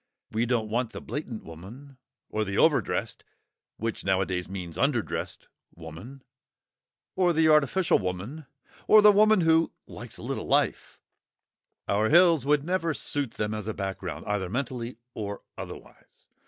We don't want the blatant woman, or the overdressed (which nowadays means underdressed) woman, or the artificial woman, or the woman who "likes a little life"; our hills would never suit them as a background, either mentally or otherwise.